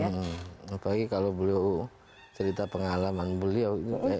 apalagi kalau beliau cerita pengalaman beliau